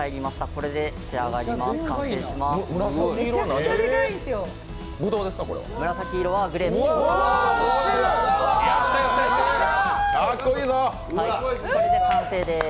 これで完成です。